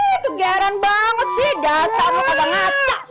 ih kegaren banget sih dasar lu kagak ngaca